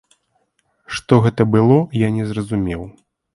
Што гэта было я не зразумеў.